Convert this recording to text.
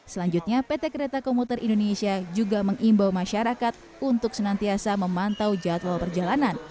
selanjutnya pt kereta komuter indonesia juga mengimbau masyarakat untuk senantiasa memantau jadwal perjalanan